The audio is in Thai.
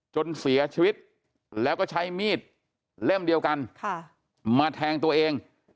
จนเสียชีวิตแล้วก็ใช้มีดเล่มเดียวกันมาแทงตัวเอง